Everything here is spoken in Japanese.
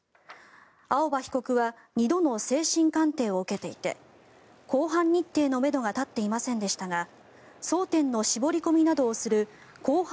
青葉被告は２度の精神鑑定を受けていて公判日程のめどが立っていませんでしたが争点の絞り込みなどをする公判